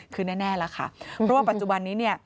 คือแน่แล้วค่ะเพราะว่าปัจจุบันนี้เนี่ย